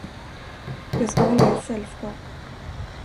Jag skall hålla er sällskap.